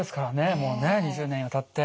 もうね２０年にわたって。